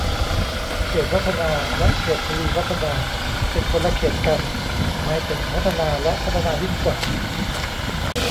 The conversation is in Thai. เขตวัฒนา และเขตทวีวัฒนา เป็นคนละเขตกัน หมายถึงพัฒนาและพัฒนายิ่งกว่า